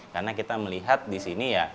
karena kita melihat di sini ya